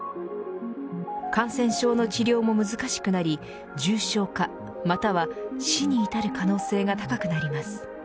感染症の治療も難しくなり重症化、または死に至る可能性が高くなります。